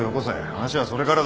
話はそれからだ。